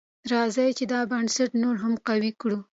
راځئ چې دا بنسټ نور هم قوي کړو.